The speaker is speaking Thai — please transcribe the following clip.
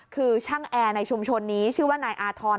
คือช่างแอร์ในชุมชนนี้ชื่อว่านายอาธรณ์